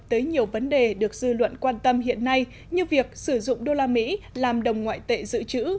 tới nhiều vấn đề được dư luận quan tâm hiện nay như việc sử dụng đô la mỹ làm đồng ngoại tệ dự trữ